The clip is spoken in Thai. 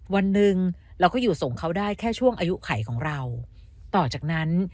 วันหนึ่งเราก็อยู่ส่งเขาได้แค่ช่วงอายุไขของเราต่อจากนั้น